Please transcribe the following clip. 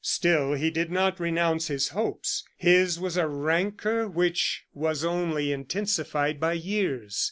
Still he did not renounce his hopes. His was a rancor which was only intensified by years.